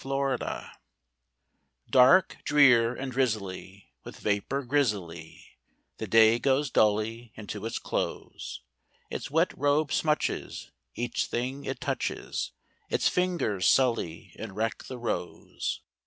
A WET DAY Dark, drear, and drizzly, with vapor grizzly, The day goes dully unto its close; Its wet robe smutches each thing it touches, Its fingers sully and wreck the rose.